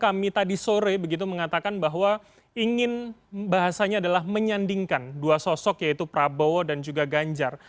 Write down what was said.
kami tadi sore begitu mengatakan bahwa ingin bahasanya adalah menyandingkan dua sosok yaitu prabowo dan juga ganjar